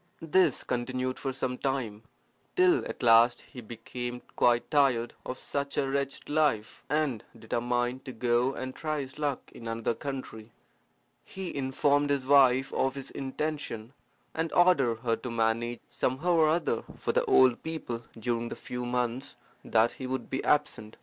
This continued for some time, till at last he became quite tired of such a wretched life, and determined to go and try his luck in another country. He informed his wife of his intention, and ordered her to manage somehow or other for the old people during the few months that he would be absent.